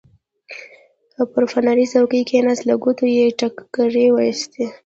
پر فنري څوکۍ کېناست، له ګوتو یې ټکاری وایست.